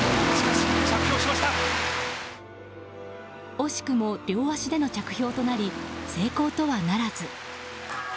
惜しくも両足での着氷となり成功とはならず。